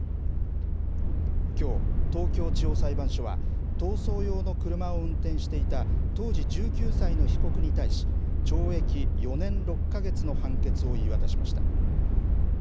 きょう、東京地方裁判所は、逃走用の車を運転していた当時１９歳の被告に対し、懲役４年６か月の判決を言い渡しました。